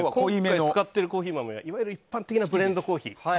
使っているコーヒー豆はいわゆる一般的なブレンドコーヒー。